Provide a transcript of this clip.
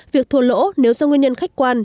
việc thua lỗ nếu do nguyên nhân khách quan